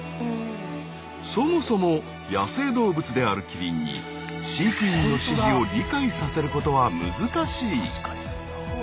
そもそも野生動物であるキリンに飼育員の指示を理解させることは難しい。